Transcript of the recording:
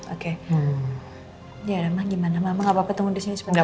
oke yaudah mah gimana mama gak apa apa tunggu disini sebentar